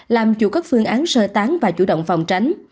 làm chủ các phương án sơ tán và chủ động phòng tránh